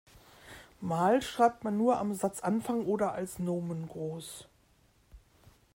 Mal schreibt man nur am Satzanfang oder als Nomen groß.